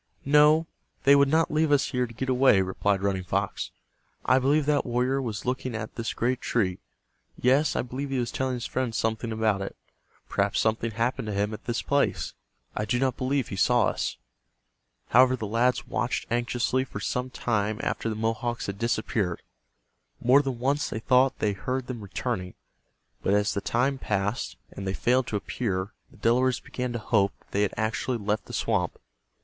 "No, they would not leave us here to get away," replied Running Fox. "I believe that warrior was looking at this great tree. Yes, I believe he was telling his friend something about it. Perhaps something happened to him at this place. I do not believe he saw us." However, the lads watched anxiously for some time after the Mohawks had disappeared. More than once they thought they heard them returning, but as the time passed and they failed to appear the Delawares began to hope that they had actually left the swamp.